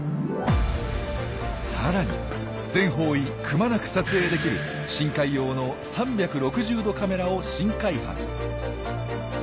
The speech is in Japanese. さらに全方位くまなく撮影できる深海用の３６０度カメラを新開発。